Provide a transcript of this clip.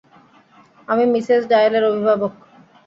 আমি মিসেস ডয়েলের অভিভাবক!